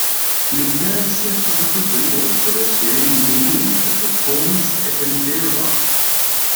L'interesse è soprattutto rivolto verso i regni del Gwynedd, del Powys e del Deheubarth.